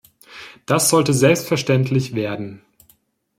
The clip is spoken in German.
Das sollte selbstverständlich werden.